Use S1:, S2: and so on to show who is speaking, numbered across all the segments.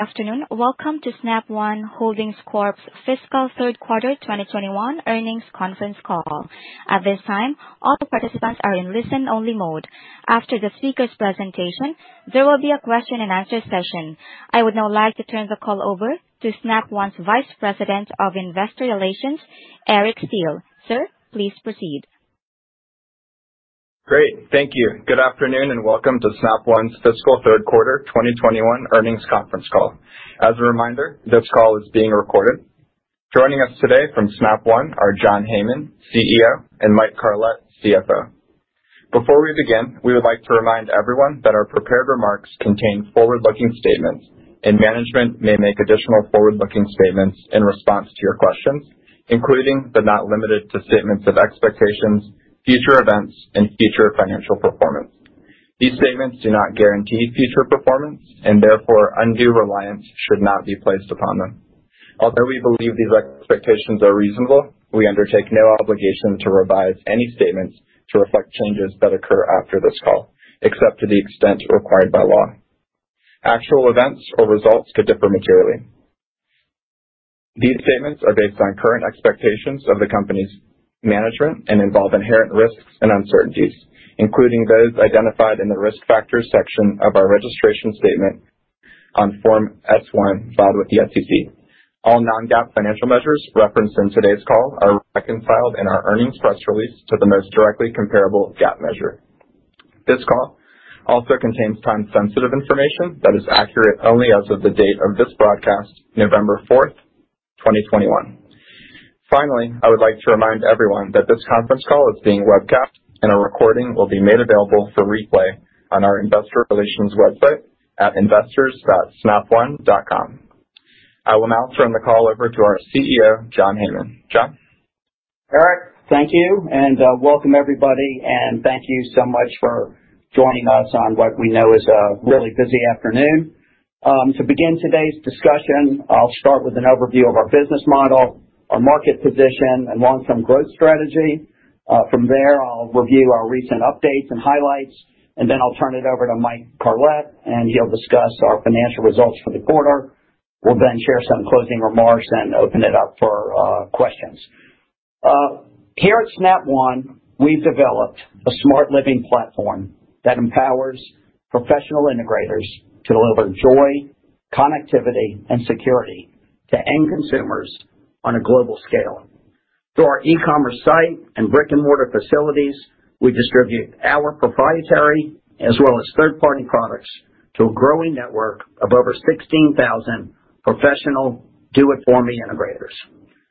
S1: Good afternoon. Welcome to Snap One Holdings Corp's fiscal third quarter 2021 earnings conference call. At this time, all participants are in listen-only mode. After the speaker's presentation, there will be a question and answer session. I would now like to turn the call over to Snap One's Vice President of Investor Relations, Eric Steele. Sir, please proceed.
S2: Great. Thank you. Good afternoon, and welcome to Snap One's fiscal third quarter 2021 earnings conference call. As a reminder, this call is being recorded. Joining us today from Snap One are John Heyman, CEO, and Mike Carlet, CFO. Before we begin, we would like to remind everyone that our prepared remarks contain forward-looking statements, and management may make additional forward-looking statements in response to your questions, including, but not limited to, statements of expectations, future events, and future financial performance. These statements do not guarantee future performance, and therefore, undue reliance should not be placed upon them. Although we believe these expectations are reasonable, we undertake no obligation to revise any statements to reflect changes that occur after this call, except to the extent required by law. Actual events or results could differ materially. These statements are based on current expectations of the company's management and involve inherent risks and uncertainties, including those identified in the Risk Factors section of our registration statement on Form S-1 filed with the SEC. All non-GAAP financial measures referenced in today's call are reconciled in our earnings press release to the most directly comparable GAAP measure. This call also contains time-sensitive information that is accurate only as of the date of this broadcast, November 4, 2021. Finally, I would like to remind everyone that this conference call is being webcast, and a recording will be made available for replay on our investor relations website at investors.snapone.com. I will now turn the call over to our CEO, John Heyman. John?
S3: Eric, thank you, and welcome, everybody, and thank you so much for joining us on what we know is a really busy afternoon. To begin today's discussion, I'll start with an overview of our business model, our market position and long-term growth strategy. From there, I'll review our recent updates and highlights, and then I'll turn it over to Mike Carlet, and he'll discuss our financial results for the quarter. We'll then share some closing remarks and open it up for questions. Here at Snap One, we've developed a smart living platform that empowers professional integrators to deliver joy, connectivity, and security to end consumers on a global scale. Through our e-commerce site and brick-and-mortar facilities, we distribute our proprietary as well as third-party products to a growing network of over 16,000 professional do-it-for-me integrators.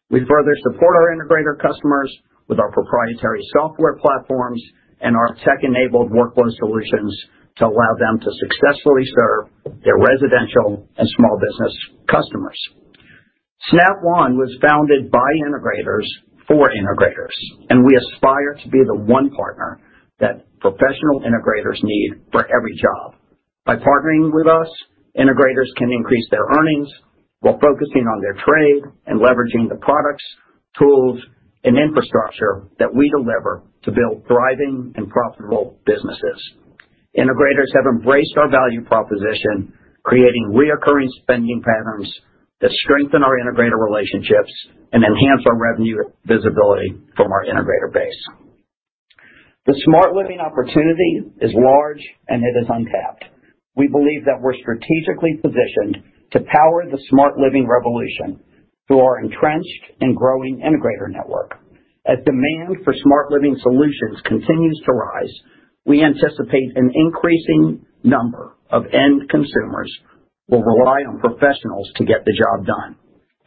S3: We further support our integrator customers with our proprietary software platforms and our tech-enabled workflow solutions to allow them to successfully serve their residential and small business customers. Snap One was founded by integrators for integrators, and we aspire to be the one partner that professional integrators need for every job. By partnering with us, integrators can increase their earnings while focusing on their trade and leveraging the products, tools, and infrastructure that we deliver to build thriving and profitable businesses. Integrators have embraced our value proposition, creating recurring spending patterns that strengthen our integrator relationships and enhance our revenue visibility from our integrator base. The smart living opportunity is large, and it is untapped. We believe that we're strategically positioned to power the smart living revolution through our entrenched and growing integrator network. As demand for smart living solutions continues to rise, we anticipate an increasing number of end consumers will rely on professionals to get the job done.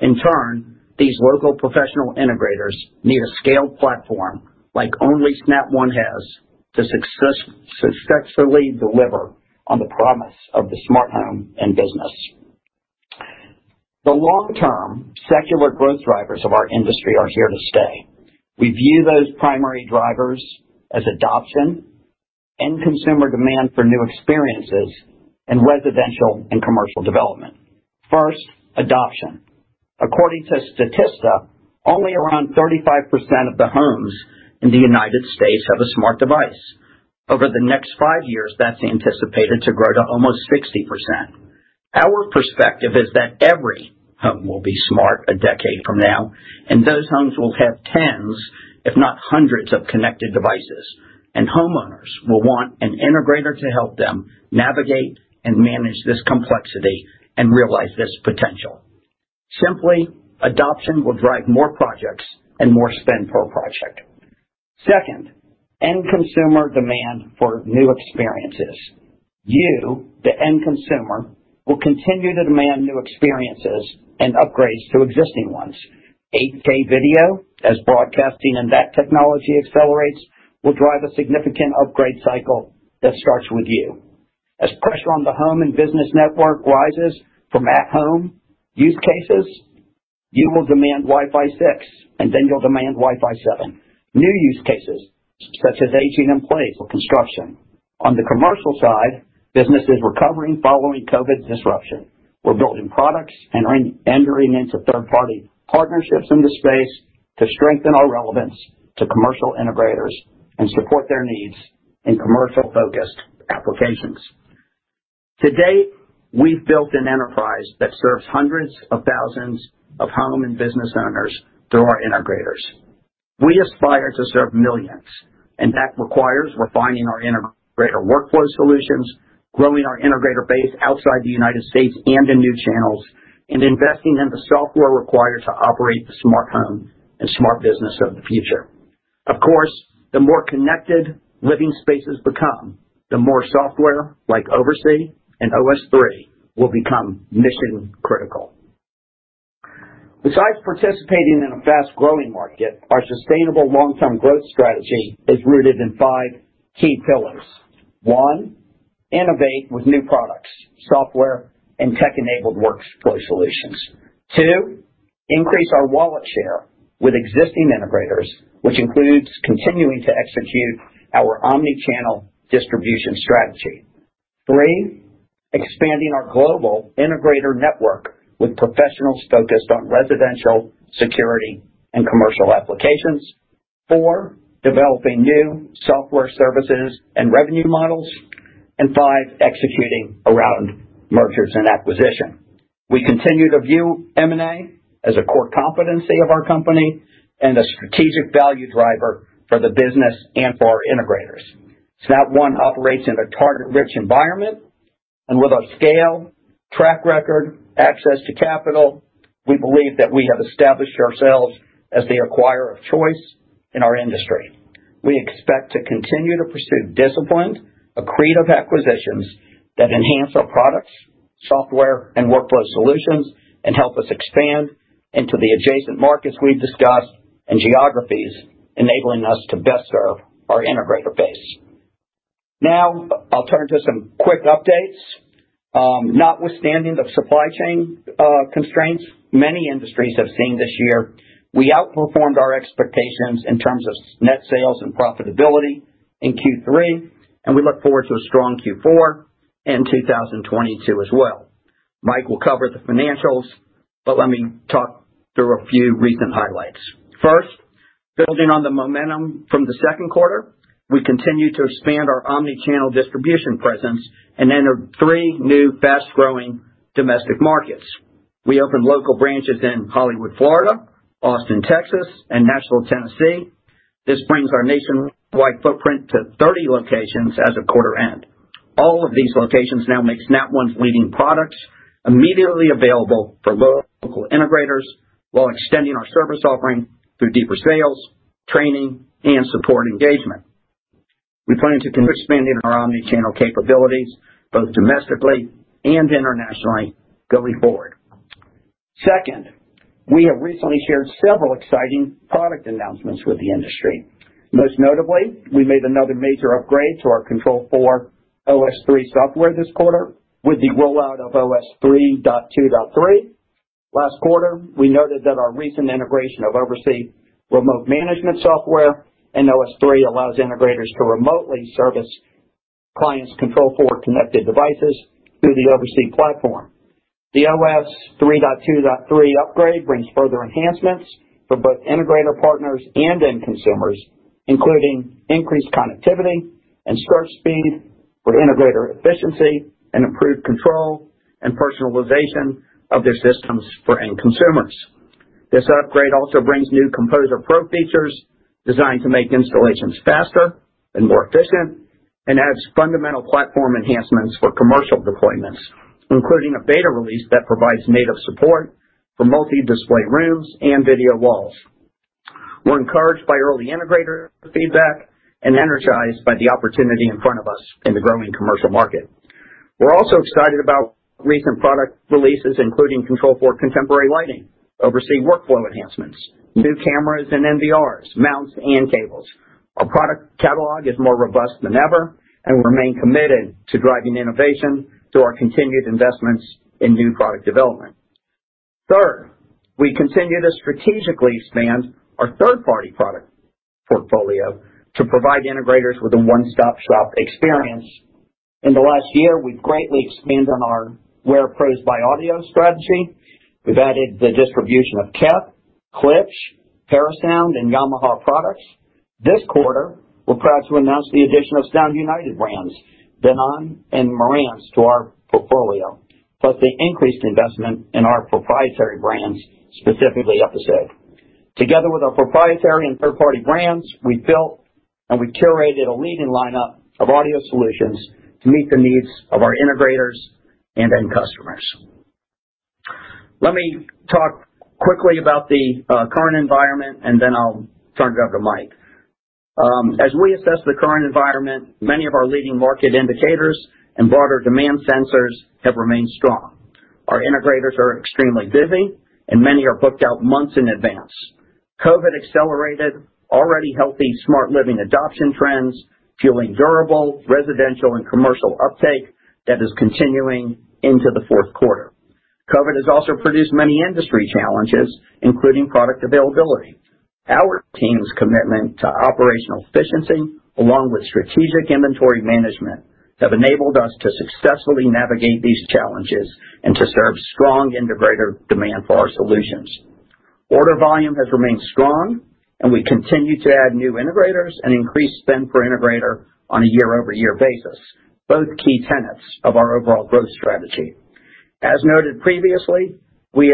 S3: In turn, these local professional integrators need a scaled platform like only Snap One has to successfully deliver on the promise of the smart home and business. The long-term secular growth drivers of our industry are here to stay. We view those primary drivers as adoption, end consumer demand for new experiences, and residential and commercial development. First, adoption. According to Statista, only around 35% of the homes in the United States have a smart device. Over the next five years, that's anticipated to grow to almost 60%. Our perspective is that every home will be smart a decade from now, and those homes will have tens, if not hundreds, of connected devices. Homeowners will want an integrator to help them navigate and manage this complexity and realize this potential. Simply, adoption will drive more projects and more spend per project. Second, end consumer demand for new experiences. You, the end consumer, will continue to demand new experiences and upgrades to existing ones. 8K video, as broadcasting and that technology accelerates, will drive a significant upgrade cycle that starts with you. As pressure on the home and business network rises from at home use cases, you will demand Wi-Fi 6, and then you'll demand Wi-Fi 7. New use cases such as aging in place or construction. On the commercial side, business is recovering following COVID's disruption. We're building products and re-entering into third-party partnerships in the space to strengthen our relevance to commercial integrators and support their needs. In commercial-focused applications. To date, we've built an enterprise that serves hundreds of thousands of home and business owners through our integrators. We aspire to serve millions, and that requires refining our integrator workflow solutions, growing our integrator base outside the United States and in new channels, and investing in the software required to operate the smart home and smart business of the future. Of course, the more connected living spaces become, the more software like OvrC and OS 3 will become mission-critical. Besides participating in a fast-growing market, our sustainable long-term growth strategy is rooted in five key pillars. One, innovate with new products, software, and tech-enabled workflow solutions. Two, increase our wallet share with existing integrators, which includes continuing to execute our omni-channel distribution strategy. Three, expanding our global integrator network with professionals focused on residential security and commercial applications. Four, developing new software services and revenue models. Five, executing around mergers and acquisitions. We continue to view M&A as a core competency of our company and a strategic value driver for the business and for our integrators. Snap One operates in a target-rich environment. With our scale, track record, access to capital, we believe that we have established ourselves as the acquirer of choice in our industry. We expect to continue to pursue disciplined, accretive acquisitions that enhance our products, software, and workflow solutions and help us expand into the adjacent markets we've discussed and geographies, enabling us to best serve our integrator base. Now I'll turn to some quick updates. Notwithstanding the supply chain constraints many industries have seen this year, we outperformed our expectations in terms of net sales and profitability in Q3, and we look forward to a strong Q4 and 2022 as well. Mike will cover the financials, but let me talk through a few recent highlights. First, building on the momentum from the second quarter, we continue to expand our omni-channel distribution presence and enter three new fast-growing domestic markets. We opened local branches in Hollywood, Florida, Austin, Texas, and Nashville, Tennessee. This brings our nationwide footprint to 30 locations as of quarter end. All of these locations now makes Snap One's leading products immediately available for local integrators while extending our service offering through deeper sales, training, and support engagement. We plan to continue expanding our omni-channel capabilities both domestically and internationally going forward. Second, we have recently shared several exciting product announcements with the industry. Most notably, we made another major upgrade to our Control4 OS 3 software this quarter with the rollout of OS 3.2.3. Last quarter, we noted that our recent integration of OvrC remote management software and OS 3 allows integrators to remotely service clients' Control4 connected devices through the OvrC platform. The OS 3.2.3 upgrade brings further enhancements for both integrator partners and end consumers, including increased connectivity and search speed for integrator efficiency and improved control and personalization of their systems for end consumers. This upgrade also brings new Composer Pro features designed to make installations faster and more efficient and adds fundamental platform enhancements for commercial deployments, including a beta release that provides native support for multi-display rooms and video walls. We're encouraged by early integrator feedback and energized by the opportunity in front of us in the growing commercial market. We're also excited about recent product releases, including Control4 contemporary lighting, OvrC workflow enhancements, new cameras and NVRs, mounts, and cables. Our product catalog is more robust than ever, and we remain committed to driving innovation through our continued investments in new product development. Third, we continue to strategically expand our third-party product portfolio to provide integrators with a one-stop-shop experience. In the last year, we've greatly expanded our Wear Pros by Audio strategy. We've added the distribution KEF, Klipsch, Parasound, and Yamaha products. This quarter, we're proud to announce the addition of Sound United brands Denon and Marantz to our portfolio, plus the increased investment in our proprietary brands, specifically Episode. Together with our proprietary and third-party brands, we built and we curated a leading lineup of audio solutions to meet the needs of our integrators and end customers. Let me talk quickly about the current environment, and then I'll turn it over to Mike. As we assess the current environment, many of our leading market indicators and broader demand sensors have remained strong. Our integrators are extremely busy, and many are booked out months in advance. COVID accelerated already healthy smart living adoption trends, fueling durable residential and commercial uptake that is continuing into the fourth quarter. COVID has also produced many industry challenges, including product availability. Our team's commitment to operational efficiency, along with strategic inventory management, have enabled us to successfully navigate these challenges and to serve strong integrator demand for our solutions. Order volume has remained strong, and we continue to add new integrators and increase spend per integrator on a year-over-year basis, both key tenets of our overall growth strategy. As noted previously, we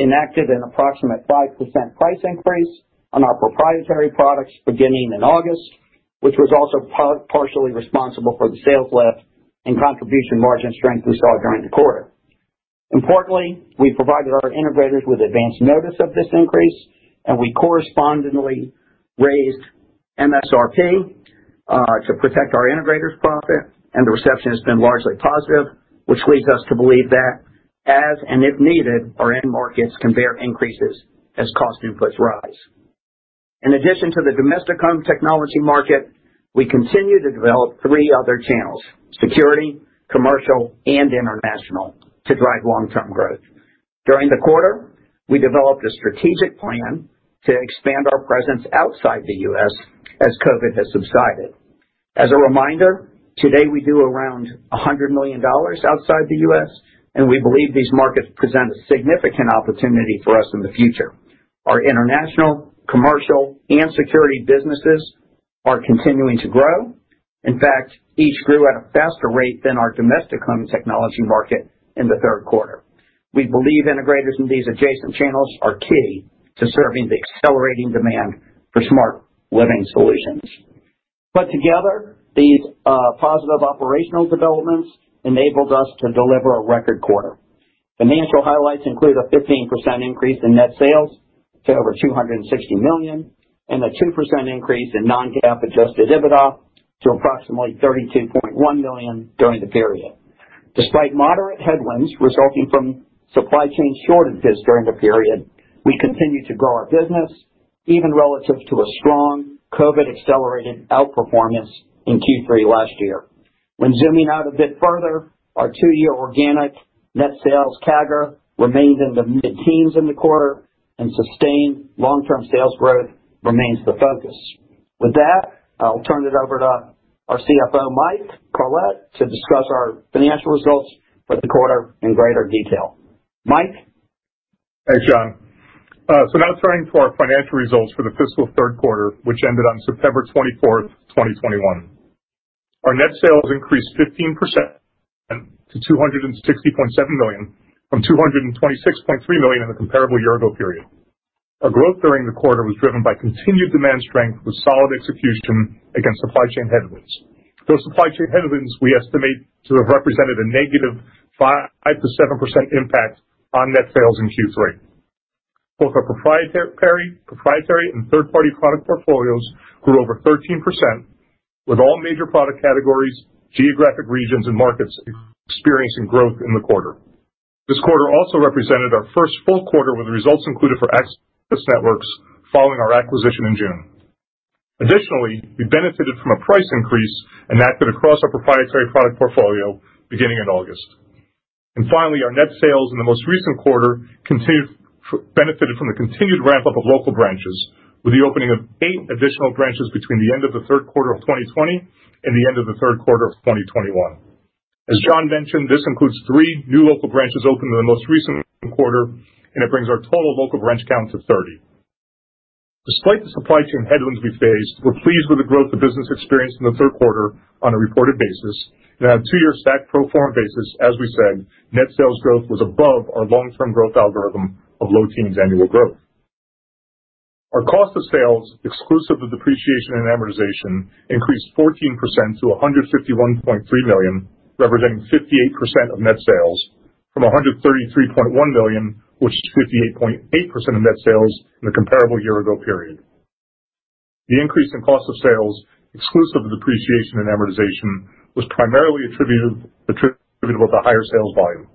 S3: enacted an approximate 5% price increase on our proprietary products beginning in August, which was also partially responsible for the sales lift and contribution margin strength we saw during the quarter. Importantly, we provided our integrators with advanced notice of this increase, and we correspondingly raised MSRP to protect our integrators' profit, and the reception has been largely positive, which leads us to believe that as and if needed, our end markets can bear increases as cost inputs rise. In addition to the domestic home technology market, we continue to develop three other channels, security, commercial, and international, to drive long-term growth. During the quarter, we developed a strategic plan to expand our presence outside the U.S. as COVID has subsided. As a reminder, today, we do around $100 million outside the U.S., and we believe these markets present a significant opportunity for us in the future. Our international, commercial, and security businesses are continuing to grow. In fact, each grew at a faster rate than our domestic home technology market in the third quarter. We believe integrators in these adjacent channels are key to serving the accelerating demand for smart living solutions. Put together, these positive operational developments enabled us to deliver a record quarter. Financial highlights include a 15% increase in net sales to over $260 million, and a 2% increase in non-GAAP adjusted EBITDA to approximately $32.1 million during the period. Despite moderate headwinds resulting from supply chain shortages during the period, we continue to grow our business, even relative to a strong COVID accelerated outperformance in Q3 last year. When zooming out a bit further, our two-year organic net sales CAGR remained in the mid-teens in the quarter and sustained long-term sales growth remains the focus. With that, I'll turn it over to our CFO, Mike Carlet, to discuss our financial results for the quarter in greater detail. Mike?
S4: Hey, John. Now turning to our financial results for the fiscal third quarter, which ended on September 24, 2021. Our net sales increased 15% to $260.7 million, from $226.3 million in the comparable year-ago period. Our growth during the quarter was driven by continued demand strength with solid execution against supply chain headwinds. Those supply chain headwinds we estimate to have represented a negative 5%-7% impact on net sales in Q3. Both our proprietary and third-party product portfolios grew over 13%, with all major product categories, geographic regions and markets experiencing growth in the quarter. This quarter also represented our first full quarter with the results included for Access Networks following our acquisition in June. Additionally, we benefited from a price increase enacted across our proprietary product portfolio beginning in August. Finally, our net sales in the most recent quarter benefited from the continued ramp up of local branches, with the opening of eight additional branches between the end of the third quarter of 2020 and the end of the third quarter of 2021. As John mentioned, this includes three new local branches opened in the most recent quarter, and it brings our total local branch count to 30. Despite the supply chain headwinds we faced, we're pleased with the growth the business experienced in the third quarter on a reported basis. On a two-year stack pro forma basis, as we said, net sales growth was above our long-term growth algorithm of low teens annual growth. Our cost of sales, exclusive of depreciation and amortization, increased 14% to $151.3 million, representing 58% of net sales from $133.1 million, which is 58.8% of net sales in the comparable year ago period. The increase in cost of sales, exclusive of depreciation and amortization, was primarily attributed to the higher sales volume.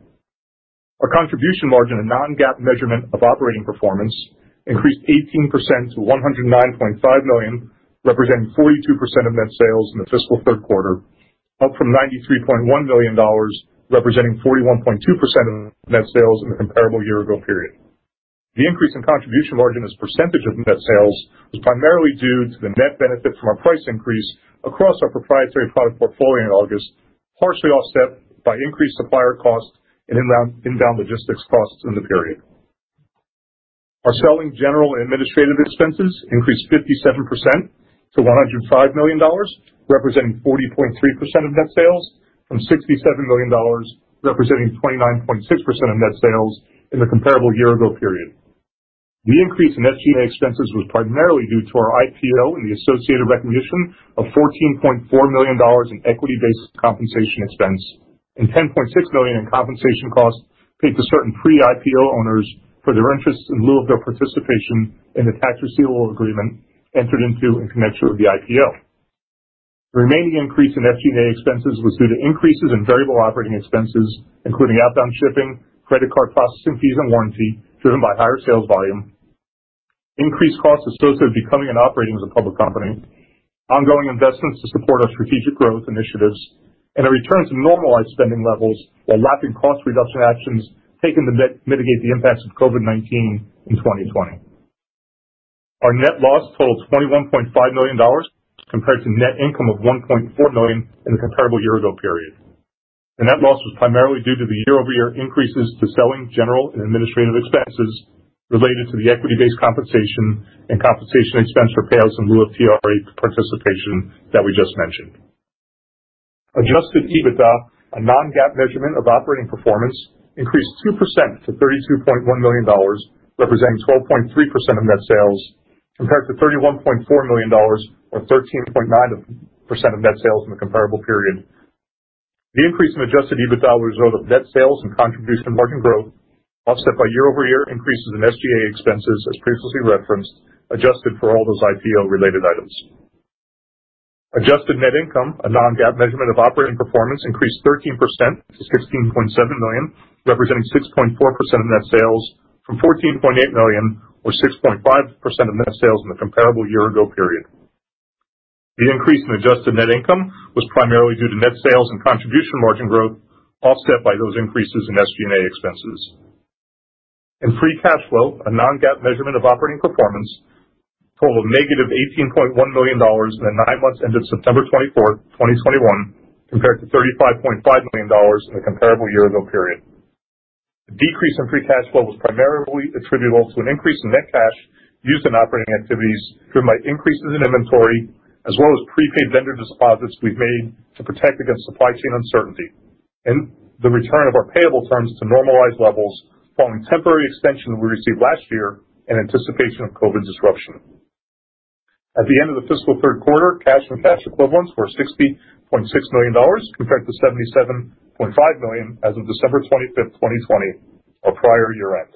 S4: Our contribution margin and non-GAAP measurement of operating performance increased 18% to $109.5 million, representing 42% of net sales in the fiscal third quarter, up from $93.1 million, representing 41.2% of net sales in the comparable year ago period. The increase in contribution margin as percentage of net sales was primarily due to the net benefit from our price increase across our proprietary product portfolio in August, partially offset by increased supplier costs and inbound logistics costs in the period. Our selling general and administrative expenses increased 57% to $105 million, representing 40.3% of net sales, from $67 million, representing 29.6% of net sales in the comparable year ago period. The increase in SG&A expenses was primarily due to our IPO and the associated recognition of $14.4 million in equity-based compensation expense and $10.6 million in compensation costs paid to certain pre-IPO owners for their interest in lieu of their participation in the tax receivable agreement entered into in connection with the IPO. The remaining increase in SG&A expenses was due to increases in variable operating expenses, including outbound shipping, credit card processing fees and warranty driven by higher sales volume, increased costs associated with becoming and operating as a public company, ongoing investments to support our strategic growth initiatives, and a return to normalized spending levels while lacking cost reduction actions taken to mitigate the impacts of COVID-19 in 2020. Our net loss totaled $21.5 million compared to net income of $1.4 million in the comparable year-ago period. The net loss was primarily due to the year-over-year increases to selling, general and administrative expenses related to the equity-based compensation and compensation expense for payouts in lieu of TRA participation that we just mentioned. Adjusted EBITDA, a non-GAAP measurement of operating performance, increased 2% to $32.1 million, representing 12.3% of net sales, compared to $31.4 million or 13.9% of net sales in the comparable period. The increase in adjusted EBITDA was a result of net sales and contribution margin growth, offset by year-over-year increases in SG&A expenses, as previously referenced, adjusted for all those IPO related items. Adjusted net income, a non-GAAP measurement of operating performance, increased 13% to $16.7 million, representing 6.4% of net sales from $14.8 million or 6.5% of net sales in the comparable year ago period. The increase in adjusted net income was primarily due to net sales and contribution margin growth, offset by those increases in SG&A expenses. Free cash flow, a non-GAAP measurement of operating performance, totaled negative $18.1 million in the nine months ended September 24, 2021, compared to $35.5 million in the comparable year ago period. The decrease in free cash flow was primarily attributable to an increase in net cash used in operating activities driven by increases in inventory, as well as prepaid vendor deposits we've made to protect against supply chain uncertainty, and the return of our payable terms to normalized levels following temporary extension we received last year in anticipation of COVID disruption. At the end of the fiscal third quarter, cash and cash equivalents were $60.6 million, compared to $77.5 million as of December 25, 2020, our prior year end.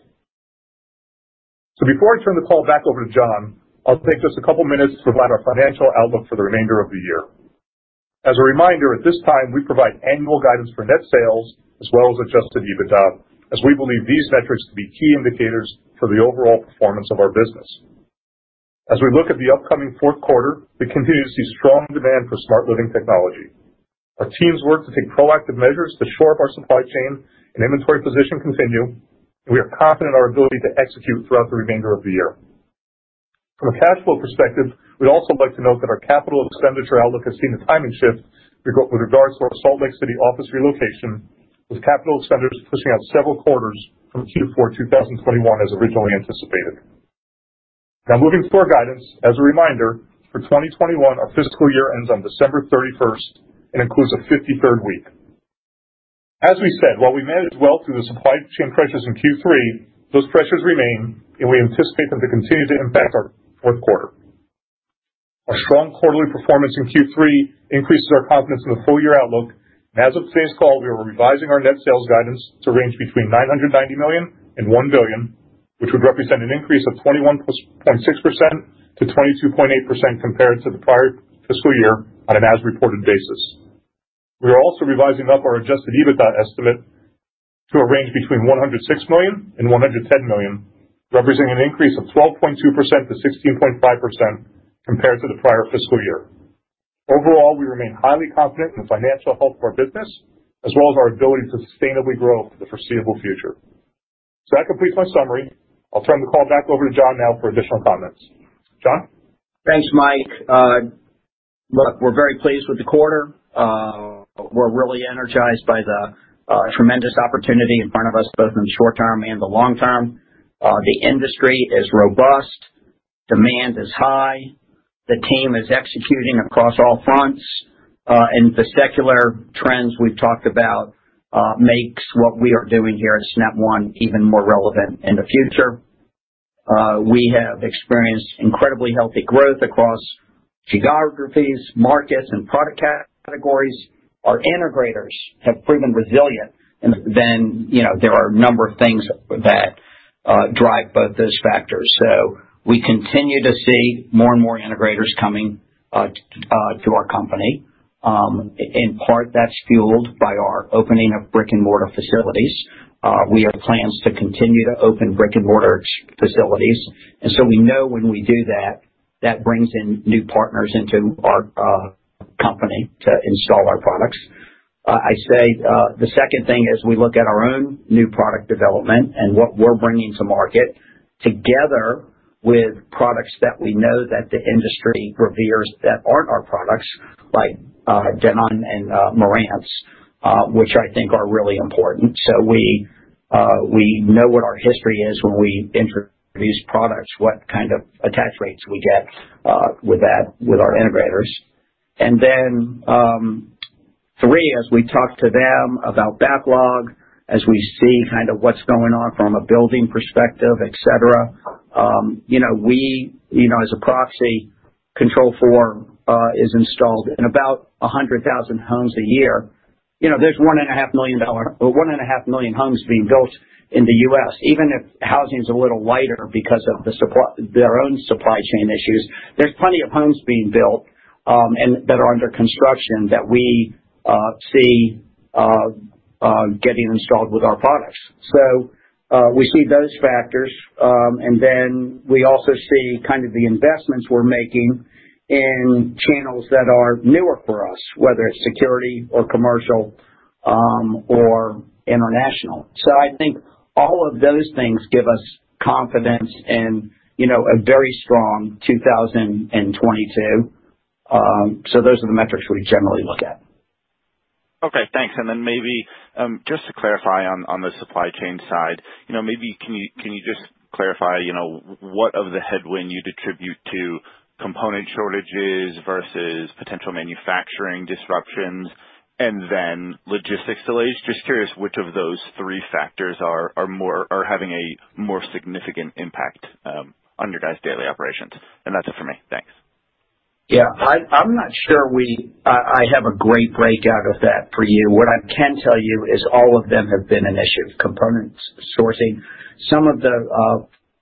S4: Before I turn the call back over to John, I'll take just a couple minutes to provide our financial outlook for the remainder of the year. As a reminder, at this time, we provide annual guidance for net sales as well as adjusted EBITDA, as we believe these metrics to be key indicators for the overall performance of our business. As we look at the upcoming fourth quarter, we continue to see strong demand for smart living technology. Our team's work to take proactive measures to shore up our supply chain and inventory position continue. We are confident in our ability to execute throughout the remainder of the year. From a cash flow perspective, we'd also like to note that our capital expenditure outlook has seen a timing shift with regards to our Salt Lake City office relocation, with capital expenditures pushing out several quarters from Q4 2021 as originally anticipated. Now moving to our guidance, as a reminder, for 2021, our fiscal year ends on December 31 and includes a 53rd week. As we said, while we managed well through the supply chain pressures in Q3, those pressures remain, and we anticipate them to continue to impact our fourth quarter. Our strong quarterly performance in Q3 increases our confidence in the full year outlook. As of today's call, we are revising our net sales guidance to range between $990 million and $1 billion, which would represent an increase of 21.6%-22.8% compared to the prior fiscal year on an as-reported basis. We are also revising up our adjusted EBITDA estimate to a range between $106 million and $110 million, representing an increase of 12.2%-16.5% compared to the prior fiscal year. Overall, we remain highly confident in the financial health of our business as well as our ability to sustainably grow for the foreseeable future. That completes my summary. I'll turn the call back over to John now for additional comments. John?
S3: Thanks, Mike. Look, we're very pleased with the quarter. We're really energized by the tremendous opportunity in front of us, both in the short term and the long term. The industry is robust. Demand is high. The team is executing across all fronts. The secular trends we've talked about makes what we are doing here at Snap One even more relevant in the future. We have experienced incredibly healthy growth across geographies, markets, and product categories. Our integrators have proven resilient. You know, there are a number of things that drive both those factors. We continue to see more and more integrators coming to our company. In part, that's fueled by our opening of brick-and-mortar facilities. We have plans to continue to open brick-and-mortar facilities. We know when we do that brings in new partners into our company to install our products. The second thing is we look at our own new product development and what we're bringing to market together with products that we know that the industry reveres that aren't our products, like Denon and Marantz, which I think are really important. We know what our history is when we introduce products, what kind of attach rates we get with that, with our integrators. Three, as we talk to them about backlog, as we see kind of what's going on from a building perspective, et cetera, you know, we, you know, as a proxy Control4 is installed in about 100,000 homes a year. You know, there's 1.5 million homes being built in the U.S., even if housing is a little lighter because of the supply, their own supply chain issues, there's plenty of homes being built and that are under construction that we see getting installed with our products. We see those factors, and then we also see kind of the investments we're making in channels that are newer for us, whether it's security or commercial, or international. I think all of those things give us confidence in, you know, a very strong 2022. Those are the metrics we generally look at.
S5: Okay, thanks. Maybe just to clarify on the supply chain side, you know, maybe can you just clarify, you know, what of the headwind you'd attribute to component shortages versus potential manufacturing disruptions and then logistics delays? Just curious which of those three factors are having a more significant impact on your guys' daily operations. That's it for me. Thanks.
S3: I'm not sure I have a great breakout of that for you. What I can tell you is all of them have been an issue. Component sourcing. Some of the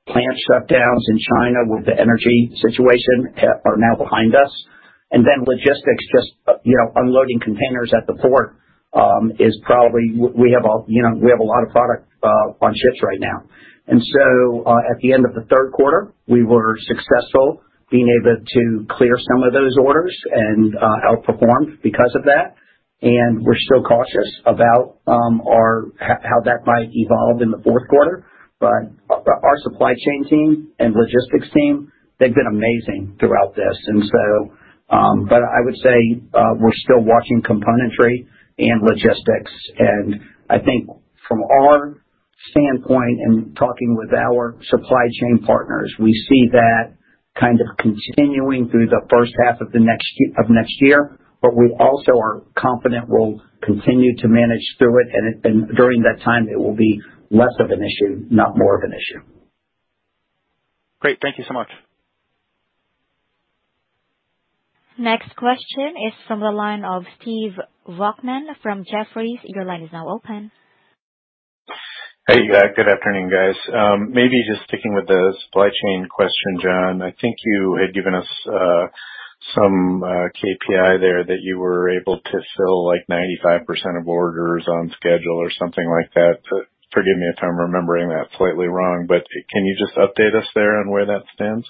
S3: plant shutdowns in China with the energy situation are now behind us. Then logistics just you know unloading containers at the port is probably. We have, you know, a lot of product on ships right now. At the end of the third quarter, we were successful being able to clear some of those orders and outperformed because of that. We're still cautious about how that might evolve in the fourth quarter. Our supply chain team and logistics team, they've been amazing throughout this. I would say we're still watching componentry and logistics. I think from our standpoint and talking with our supply chain partners, we see that kind of continuing through the first half of next year. We also are confident we'll continue to manage through it. During that time, it will be less of an issue, not more of an issue.
S5: Great. Thank you so much.
S1: Next question is from the line of Stephen Volkmann from Jefferies. Your line is now open.
S6: Hey, good afternoon, guys. Maybe just sticking with the supply chain question, John. I think you had given us some KPI there that you were able to fill like 95% of orders on schedule or something like that. Forgive me if I'm remembering that slightly wrong, but can you just update us there on where that stands?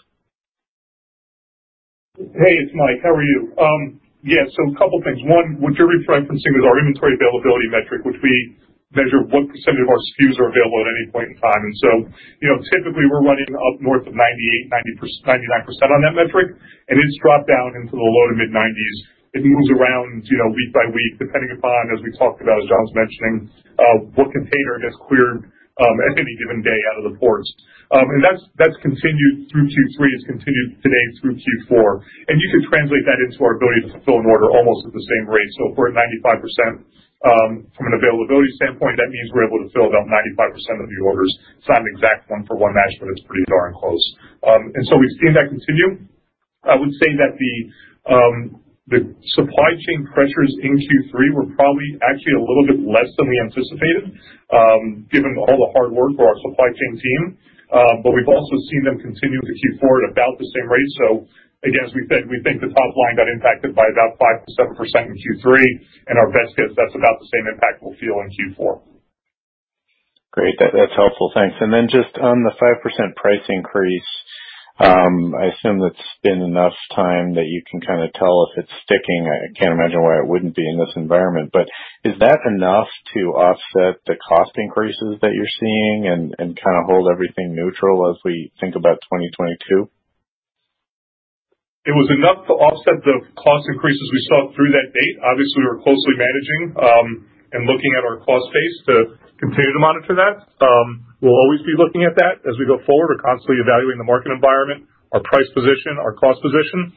S4: Hey, it's Mike. How are you? Yeah, a couple things. One, what you're referencing is our inventory availability metric, which we measure what percentage of our SKUs are available at any point in time. You know, typically we're running up north of 98%-99% on that metric, and it's dropped down into the low- to mid-90s. It moves around, you know, week by week, depending upon as we talked about, as John was mentioning, what container gets cleared at any given day out of the ports. That's continued through Q3, it's continued today through Q4. You can translate that into our ability to fulfill an order almost at the same rate. If we're at 95% from an availability standpoint, that means we're able to fill about 95% of the orders. It's not an exact one-for-one match, but it's pretty darn close. We've seen that continue. I would say that the supply chain pressures in Q3 were probably actually a little bit less than we anticipated, given all the hard work for our supply chain team. We've also seen them continue into Q4 at about the same rate. Again, as we said, we think the top line got impacted by about 5%-7% in Q3, and our best guess, that's about the same impact we'll feel in Q4.
S6: Great. That's helpful. Thanks. Then just on the 5% price increase, I assume it's been enough time that you can kinda tell if it's sticking. I can't imagine why it wouldn't be in this environment. Is that enough to offset the cost increases that you're seeing and kinda hold everything neutral as we think about 2022?
S4: It was enough to offset the cost increases we saw through that date. Obviously, we're closely managing and looking at our cost base to continue to monitor that. We'll always be looking at that as we go forward. We're constantly evaluating the market environment, our price position, our cost position.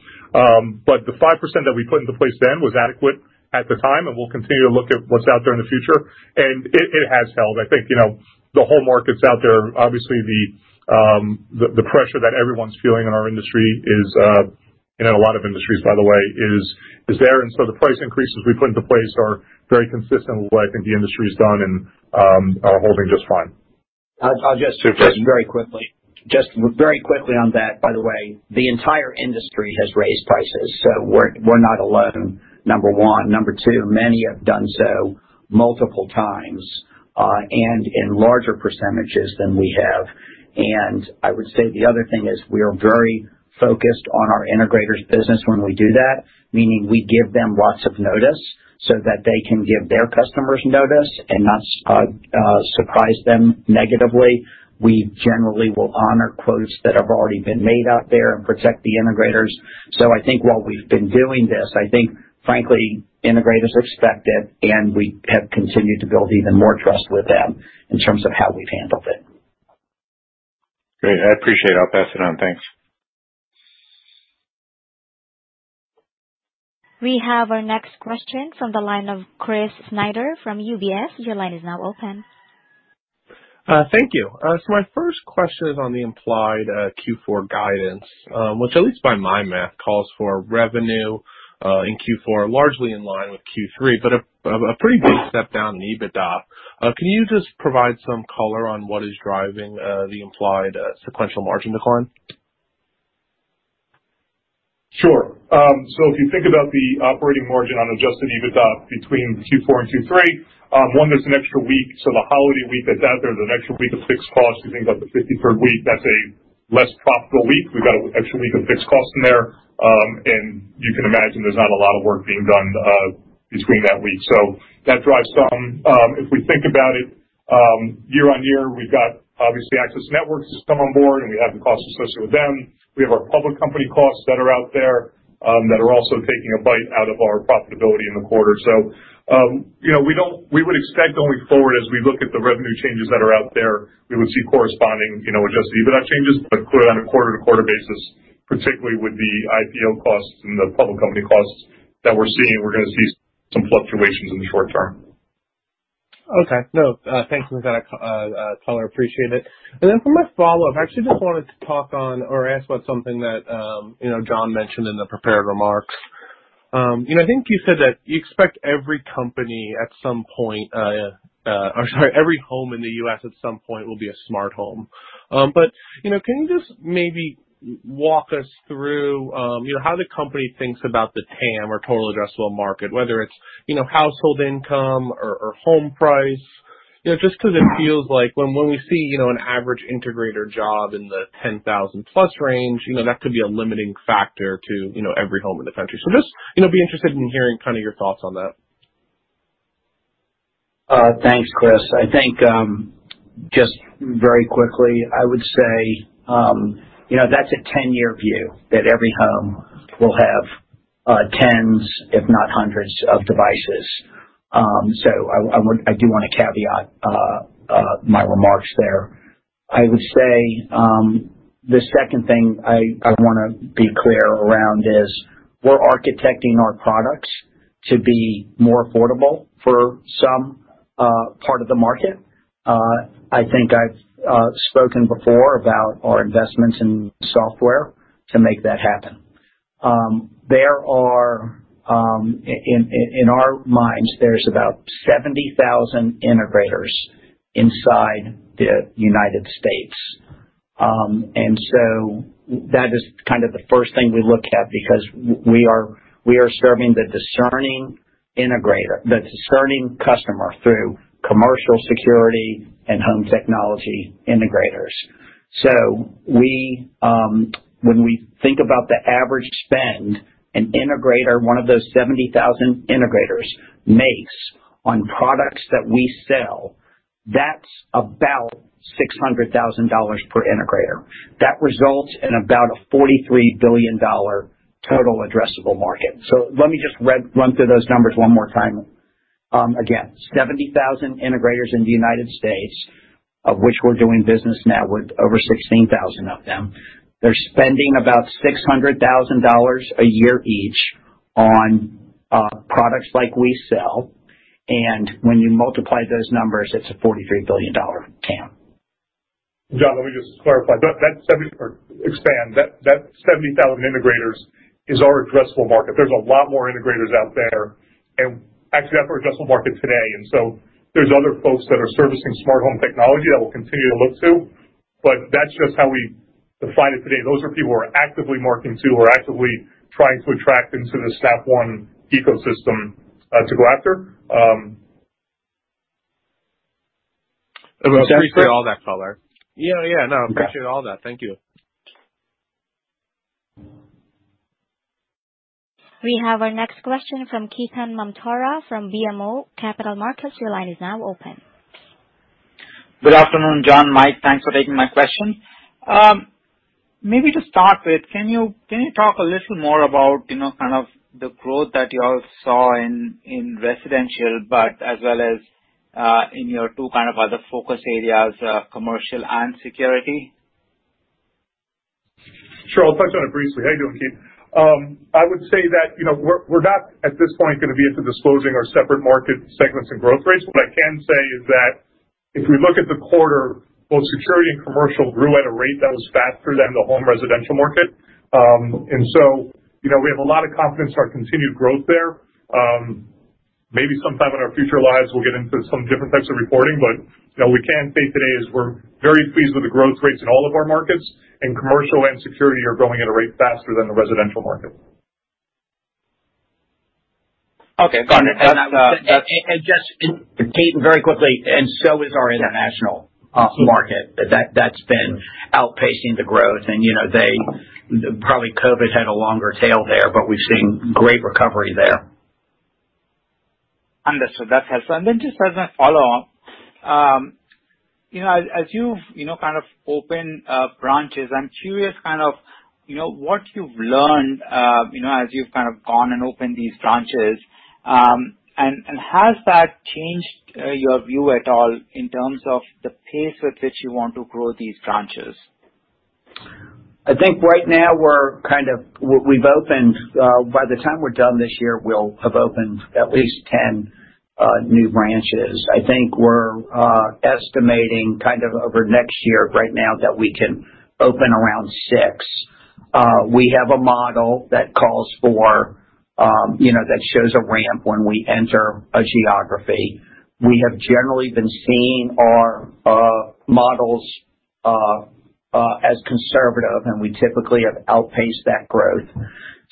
S4: The 5% that we put into place then was adequate at the time, and we'll continue to look at what's out there in the future. It has held. I think, you know, the whole markets out there, obviously the pressure that everyone's feeling in our industry is in a lot of industries, by the way, is there. The price increases we put into place are very consistent with what I think the industry's done and are holding just fine.
S3: I'll just-
S6: Sure, thanks.
S3: Just very quickly on that, by the way, the entire industry has raised prices. We're not alone, number one. Number two, many have done so multiple times, and in larger percentages than we have. I would say the other thing is we are very focused on our integrators business when we do that, meaning we give them lots of notice so that they can give their customers notice and not surprise them negatively. We generally will honor quotes that have already been made out there and protect the integrators. I think while we've been doing this, I think frankly, integrators expect it, and we have continued to build even more trust with them in terms of how we've handled it.
S6: Great. I appreciate it. I'll pass it on. Thanks.
S1: We have our next question from the line of Chris Snyder from UBS. Your line is now open.
S7: Thank you. My first question is on the implied Q4 guidance, which at least by my math calls for revenue in Q4 largely in line with Q3, but a pretty big step down in EBITDA. Can you just provide some color on what is driving the implied sequential margin decline?
S4: Sure. If you think about the operating margin on adjusted EBITDA between Q4 and Q3, one, there's an extra week. The holiday week that's out there is an extra week of fixed costs. You think about the 53rd week, that's a less profitable week. We've got an extra week of fixed costs in there. You can imagine there's not a lot of work being done between that week. That drives some. If we think about it, year-over-year, we've got obviously Access Networks has come on board, and we have the costs associated with them. We have our public company costs that are out there that are also taking a bite out of our profitability in the quarter. You know, we would expect going forward, as we look at the revenue changes that are out there, we would see corresponding, you know, adjusted EBITDA changes. But clearly on a quarter-to-quarter basis, particularly with the IPO costs and the public company costs that we're seeing, we're gonna see some fluctuations in the short term.
S7: Okay. No, thanks for that color, appreciate it. Then for my follow-up, I actually just wanted to talk on or ask about something that, you know, John mentioned in the prepared remarks. You know, I think you said that you expect every home in the U.S. at some point will be a smart home. You know, can you just maybe walk us through, you know, how the company thinks about the TAM or total addressable market, whether it's, you know, household income or home price. You know, just 'cause it feels like when we see, you know, an average integrator job in the 10,000+ range, you know, that could be a limiting factor to every home in the country. Just, you know, be interested in hearing kinda your thoughts on that.
S3: Thanks, Chris. I think, just very quickly, I would say, you know, that's a ten-year view that every home will have, tens if not hundreds of devices. I do wanna caveat my remarks there. I would say, the second thing I wanna be clear around is we're architecting our products to be more affordable for some part of the market. I think I've spoken before about our investments in software to make that happen. In our minds, there's about 70,000 integrators inside the United States. That is kind of the first thing we look at because we are serving the discerning integrator, the discerning customer through commercial security and home technology integrators. We, when we think about the average spend an integrator, one of those 70,000 integrators makes on products that we sell, that's about $600,000 per integrator. That results in about a $43 billion total addressable market. Let me just run through those numbers one more time. Again, 70,000 integrators in the United States, of which we're doing business now with over 16,000 of them. They're spending about $600,000 a year each on products like we sell. When you multiply those numbers, it's a $43 billion TAM.
S4: John, let me just clarify. That 70,000 integrators is our addressable market. There's a lot more integrators out there. Actually, that's our addressable market today. There's other folks that are servicing smart home technology that we'll continue to look to, but that's just how we define it today. Those are people we're actively marketing to. We're actively trying to attract into the Snap One ecosystem to go after.
S7: Appreciate all that, color. Yeah, yeah. No, appreciate all that. Thank you.
S1: We have our next question from Ketan Mamtora from BMO Capital Markets. Your line is now open.
S8: Good afternoon, John, Mike. Thanks for taking my question. Maybe to start with, can you talk a little more about, you know, kind of the growth that y'all saw in residential, but as well as in your two kind of other focus areas, commercial and security?
S4: Sure. I'll touch on it briefly. How you doing, Ketan? I would say that, you know, we're not, at this point, gonna be into disclosing our separate market segments and growth rates. What I can say is that if we look at the quarter, both security and commercial grew at a rate that was faster than the home residential market. You know, we have a lot of confidence in our continued growth there. Maybe sometime in our future lives we'll get into some different types of reporting. You know, what we can say today is we're very pleased with the growth rates in all of our markets, and commercial and security are growing at a rate faster than the residential market.
S8: Okay, got it. That's
S3: Just, Ketan, very quickly, our international market. That's been outpacing the growth. You know, probably COVID had a longer tail there, but we've seen great recovery there.
S8: Understood. That helps. Just as a follow-up, you know, as you've you know, kind of opened branches, I'm curious kind of, you know, what you've learned, you know, as you've kind of gone and opened these branches. Has that changed your view at all in terms of the pace with which you want to grow these branches?
S3: I think right now, by the time we're done this year, we'll have opened at least ten new branches. I think we're estimating over next year right now that we can open around six. We have a model that calls for, you know, that shows a ramp when we enter a geography. We have generally been seeing our models as conservative, and we typically have outpaced that growth.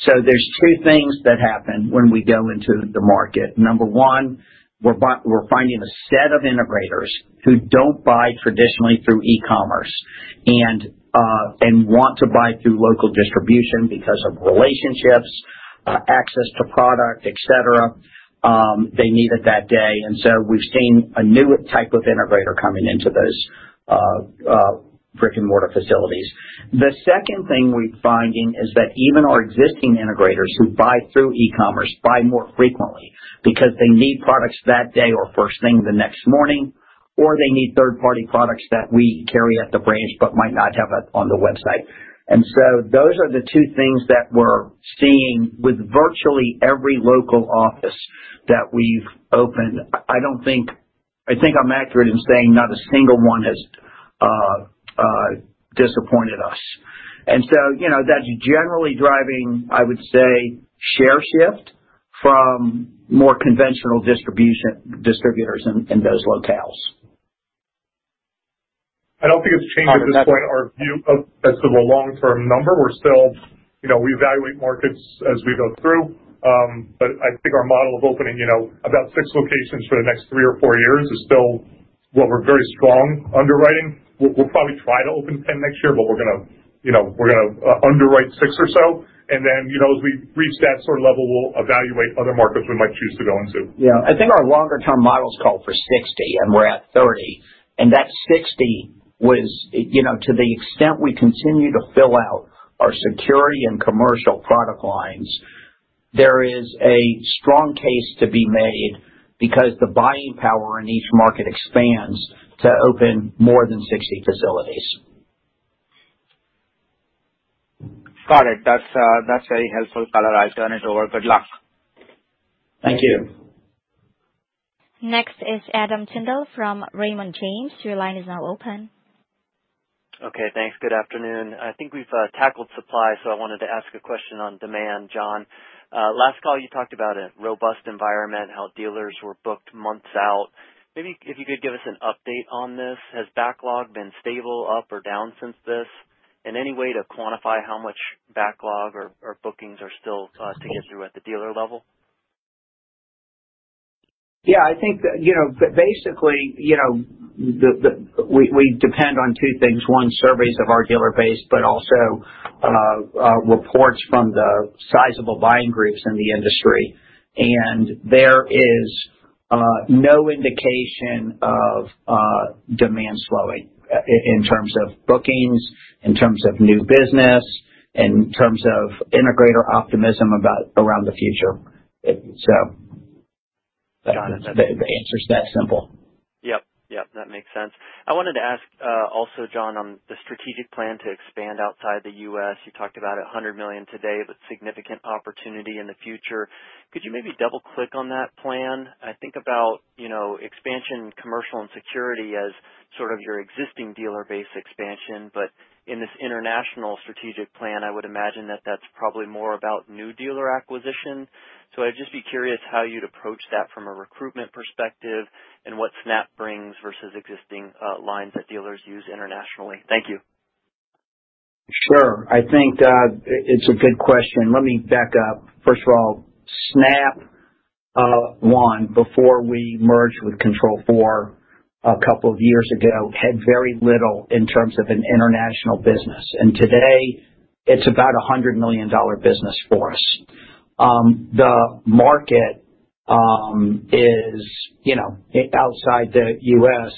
S3: There's two things that happen when we go into the market. Number one, we're finding a set of integrators who don't buy traditionally through e-commerce and want to buy through local distribution because of relationships, access to product, et cetera, they need it that day. We've seen a new type of integrator coming into those brick-and-mortar facilities. The second thing we're finding is that even our existing integrators who buy through e-commerce buy more frequently because they need products that day or first thing the next morning, or they need third-party products that we carry at the branch but might not have it on the website. Those are the two things that we're seeing with virtually every local office that we've opened. I think I'm accurate in saying not a single one has disappointed us. You know, that's generally driving, I would say, share shift from more conventional distributors in those locales.
S4: I don't think it's changed at this point our view as to the long-term number. We're still, you know. We evaluate markets as we go through. I think our model of opening, you know, about 6 locations for the next 3 or 4 years is still what we're very strong underwriting. We'll probably try to open 10 next year, but we're gonna, you know, underwrite 6 or so. You know, as we reach that sort of level, we'll evaluate other markets we might choose to go into.
S3: Yeah. I think our longer-term models call for 60, and we're at 30. That 60 was, you know, to the extent we continue to fill out our security and commercial product lines, there is a strong case to be made because the buying power in each market expands to open more than 60 facilities.
S8: Got it. That's very helpful color. I turn it over. Good luck.
S3: Thank you.
S1: Next is Adam Tindle from Raymond James. Your line is now open.
S9: Okay. Thanks. Good afternoon. I think we've tackled supply, so I wanted to ask a question on demand. John, last call you talked about a robust environment, how dealers were booked months out. Maybe if you could give us an update on this. Has backlog been stable, up or down since this? In any way to quantify how much backlog or bookings are still to get through at the dealer level?
S3: Yeah, I think, you know, basically, you know, we depend on two things, one, surveys of our dealer base, but also, reports from the sizable buying groups in the industry. There is no indication of demand slowing in terms of bookings, in terms of new business, in terms of integrator optimism about around the future. The answer is that simple.
S9: Yep. Yep, that makes sense. I wanted to ask, also, John, on the strategic plan to expand outside the U.S. You talked about $100 million today with significant opportunity in the future. Could you maybe double-click on that plan? I think about, you know, expansion, commercial and security as sort of your existing dealer base expansion. But in this international strategic plan, I would imagine that that's probably more about new dealer acquisition. So I'd just be curious how you'd approach that from a recruitment perspective and what Snap brings versus existing lines that dealers use internationally. Thank you.
S3: Sure. I think it's a good question. Let me back up. First of all, Snap One, before we merged with Control4 a couple of years ago, had very little in terms of an international business. Today it's about a $100 million business for us. The market is, you know, outside the U.S.,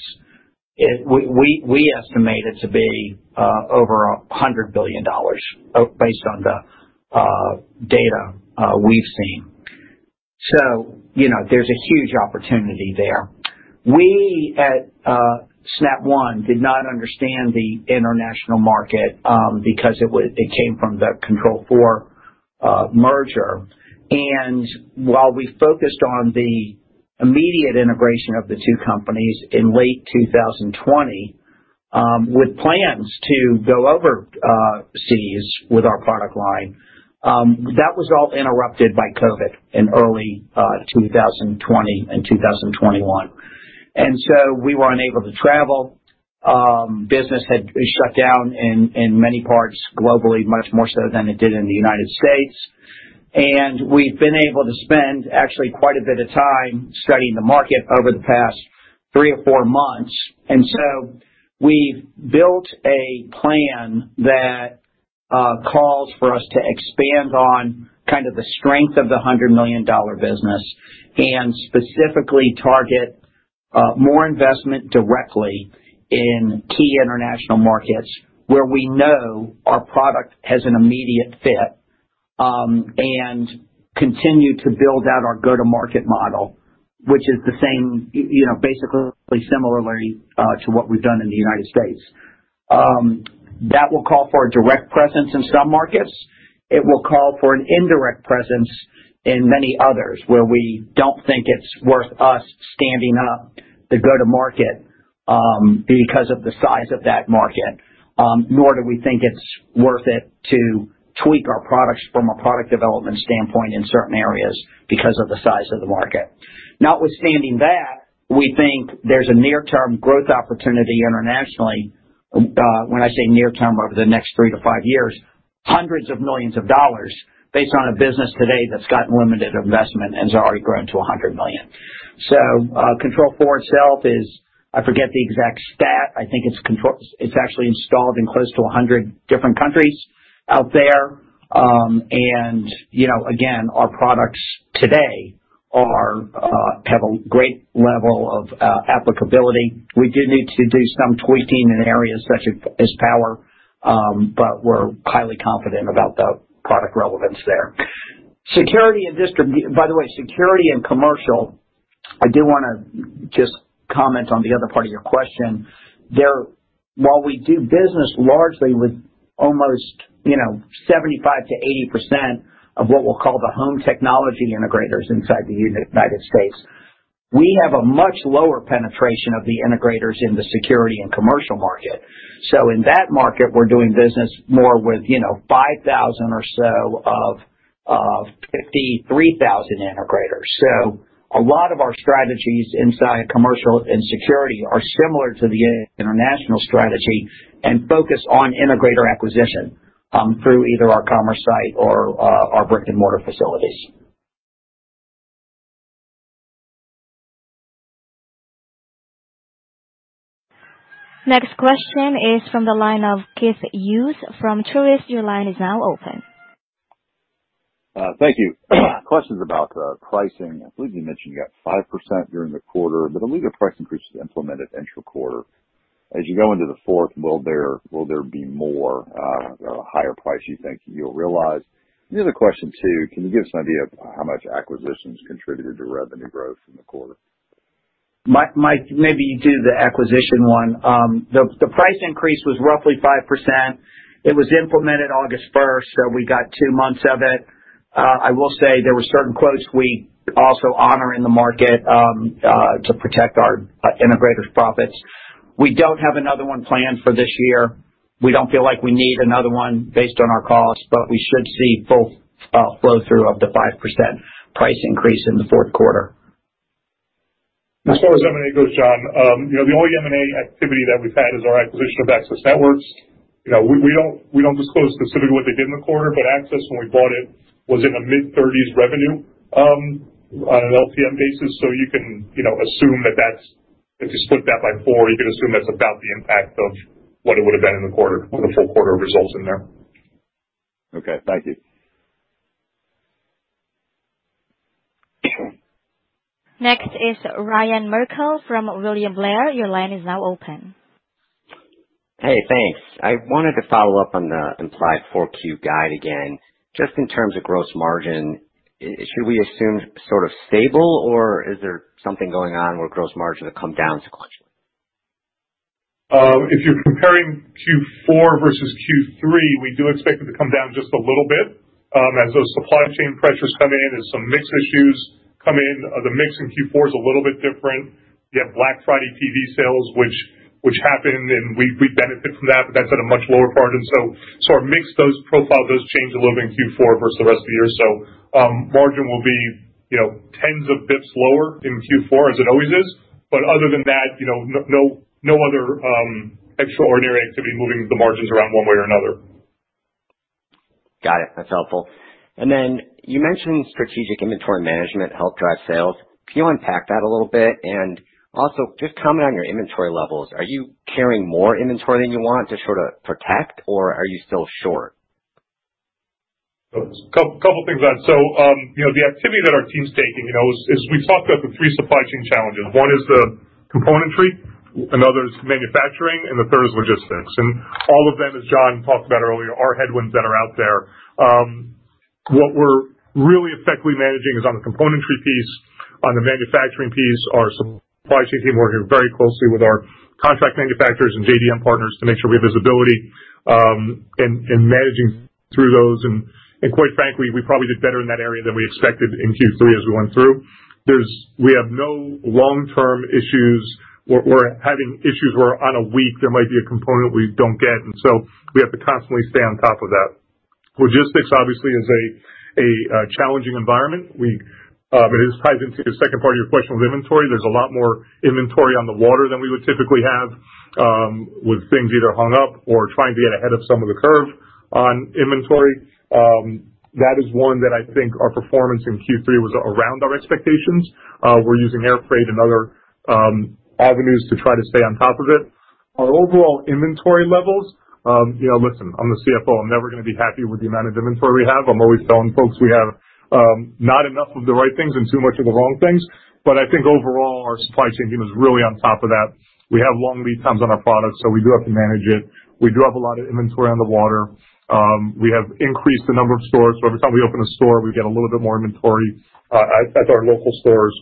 S3: we estimate it to be over a $100 billion based on the data we've seen. You know, there's a huge opportunity there. We at Snap One did not understand the international market because it came from the Control4 merger. While we focused on the immediate integration of the two companies in late 2020, with plans to go overseas with our product line, that was all interrupted by COVID in early 2020 and 2021. We were unable to travel. Business had shut down in many parts globally, much more so than it did in the United States. We've been able to spend actually quite a bit of time studying the market over the past three or four months. We've built a plan that calls for us to expand on kind of the strength of the $100 million business and specifically target more investment directly in key international markets where we know our product has an immediate fit, and continue to build out our go-to-market model, which is the same, you know, basically similarly, to what we've done in the United States. That will call for a direct presence in some markets. It will call for an indirect presence in many others where we don't think it's worth us standing up the go-to-market, because of the size of that market. Nor do we think it's worth it to tweak our products from a product development standpoint in certain areas because of the size of the market. Notwithstanding that, we think there's a near-term growth opportunity internationally. When I say near term, over the next three to five years. Hundreds of millions of dollars based on a business today that's got limited investment and it's already grown to $100 million. Control4 itself is. I forget the exact stat. I think it's actually installed in close to 100 different countries out there. You know, again, our products today have a great level of applicability. We do need to do some tweaking in areas such as power, but we're highly confident about the product relevance there. By the way, security and commercial, I do wanna just comment on the other part of your question. While we do business largely with almost, you know, 75%-80% of what we'll call the home technology integrators inside the United States, we have a much lower penetration of the integrators in the security and commercial market. In that market, we're doing business more with, you know, 5,000 or so of 53,000 integrators. A lot of our strategies inside commercial and security are similar to the international strategy and focus on integrator acquisition through either our e-commerce site or our brick-and-mortar facilities.
S1: Next question is from the line of Keith Hughes from Truist. Your line is now open.
S10: Thank you. Question's about pricing. I believe you mentioned you got 5% during the quarter, but I believe your price increase was implemented intra-quarter. As you go into the fourth, will there be more higher price you think you'll realize? The other question too, can you give us an idea of how much acquisitions contributed to revenue growth in the quarter?
S3: Maybe do the acquisition one. The price increase was roughly 5%. It was implemented August 1, so we got two months of it. I will say there were certain quotes we also honor in the market to protect our integrators' profits. We don't have another one planned for this year. We don't feel like we need another one based on our costs, but we should see full flow through of the 5% price increase in the fourth quarter.
S4: As far as M&A goes, John, you know, the only M&A activity that we've had is our acquisition of Access Networks. You know, we don't disclose specifically what they did in the quarter, but Access, when we bought it, was in the mid-30s revenue on an LTM basis, so you can, you know, assume that that's, if you split that by four, you can assume that's about the impact of what it would've been in the quarter with the full quarter results in there.
S10: Okay. Thank you.
S1: Next is Ryan Merkel from William Blair. Your line is now open.
S11: Hey, thanks. I wanted to follow up on the implied 4Q guide again, just in terms of gross margin. Should we assume sort of stable or is there something going on where gross margin will come down sequentially?
S4: If you're comparing Q4 versus Q3, we do expect it to come down just a little bit as those supply chain pressures come in and some mix issues come in. The mix in Q4 is a little bit different. You have Black Friday TV sales which happen and we benefit from that, but that's at a much lower margin. So our mix profile does change a little bit in Q4 versus the rest of the year. Margin will be, you know, tens of basis points lower in Q4 as it always is. But other than that, you know, no other extraordinary activity moving the margins around one way or another.
S11: Got it. That's helpful. You mentioned strategic inventory management helped drive sales. Can you unpack that a little bit? Also just comment on your inventory levels. Are you carrying more inventory than you want to sort of protect or are you still short?
S4: Couple things on that. You know, the activity that our team's taking, you know, is we've talked about the three supply chain challenges. One is the componentry, another is manufacturing, and the third is logistics. All of them, as John talked about earlier, are headwinds that are out there. What we're really effectively managing is on the componentry piece, on the manufacturing piece, our supply chain team working very closely with our contract manufacturers and JDM partners to make sure we have visibility in managing through those. Quite frankly, we probably did better in that area than we expected in Q3 as we went through. We have no long-term issues. We're having issues where on a week there might be a component we don't get, and so we have to constantly stay on top of that. Logistics obviously is a challenging environment. This ties into the second part of your question with inventory. There's a lot more inventory on the water than we would typically have, with things either hung up or trying to get ahead of some of the curve on inventory. That is one that I think our performance in Q3 was around our expectations. We're using air freight and other avenues to try to stay on top of it. Our overall inventory levels, you know, listen, I'm the CFO, I'm never gonna be happy with the amount of inventory we have. I'm always telling folks we have not enough of the right things and too much of the wrong things. I think overall our supply chain team is really on top of that. We have long lead times on our products, so we do have to manage it. We do have a lot of inventory on the water. We have increased the number of stores, so every time we open a store we get a little bit more inventory at our local stores.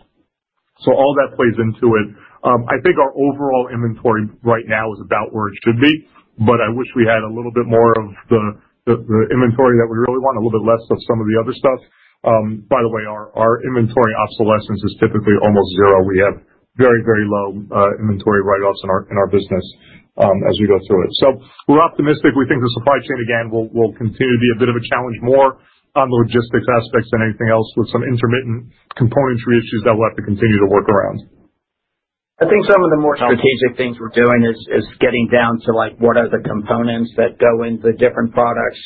S4: All that plays into it. I think our overall inventory right now is about where it should be, but I wish we had a little bit more of the inventory that we really want, a little bit less of some of the other stuff. By the way, our inventory obsolescence is typically almost zero. We have very low inventory write-offs in our business as we go through it. We're optimistic. We think the supply chain again will continue to be a bit of a challenge, more on the logistics aspects than anything else with some intermittent componentry issues that we'll have to continue to work around.
S3: I think some of the more strategic things we're doing is getting down to like what are the components that go into the different products,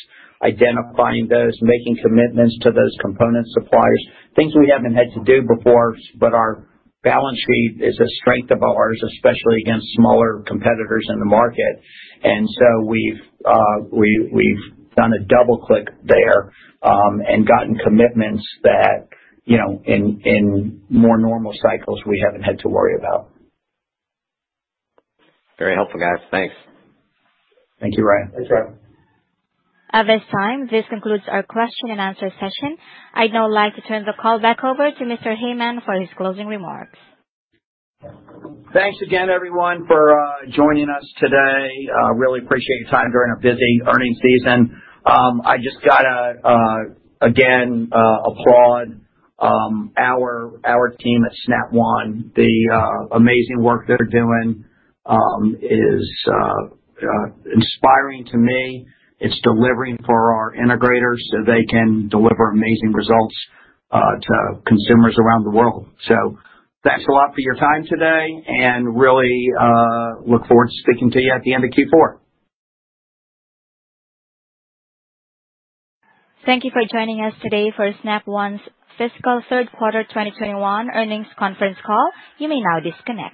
S3: identifying those, making commitments to those component suppliers, things we haven't had to do before, but our balance sheet is a strength of ours, especially against smaller competitors in the market. We've done a double-click there and gotten commitments that, you know, in more normal cycles we haven't had to worry about.
S11: Very helpful, guys. Thanks.
S3: Thank you, Ryan.
S4: Thanks, Ryan.
S1: At this time, this concludes our question and answer session. I'd now like to turn the call back over to Mr. Heyman for his closing remarks.
S3: Thanks again, everyone, for joining us today. Really appreciate your time during a busy earnings season. I just gotta again applaud our team at Snap One. The amazing work they're doing is inspiring to me. It's delivering for our integrators so they can deliver amazing results to consumers around the world. Thanks a lot for your time today and really look forward to speaking to you at the end of Q4.
S1: Thank you for joining us today for Snap One's fiscal third quarter 2021 earnings conference call. You may now disconnect.